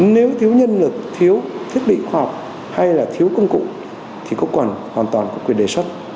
nếu thiếu nhân lực thiếu thiết bị khoa học hay là thiếu công cụ thì cũng còn hoàn toàn có quyền đề xuất